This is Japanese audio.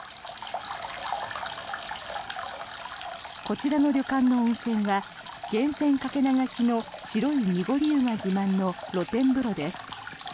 こちらの旅館の温泉は源泉かけ流しの白い濁り湯が自慢の露天風呂です。